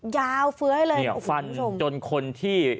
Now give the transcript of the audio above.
ยาวเฟื้อให้เลยฟันจนคนที่